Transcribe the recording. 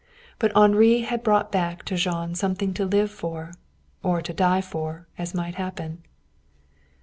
But Henri had brought back to Jean something to live for or to die for, as might happen.